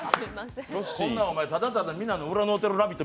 こんな、ただただみんなの占ってる「ラヴィット！」